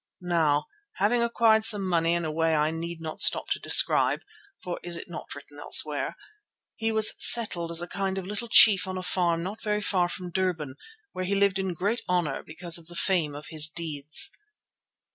Now, having acquired some money in a way I need not stop to describe—for is it not written elsewhere?—he was settled as a kind of little chief on a farm not very far from Durban, where he lived in great honour because of the fame of his deeds.